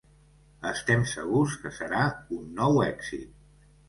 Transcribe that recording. Estem segurs que serà un nou èxit.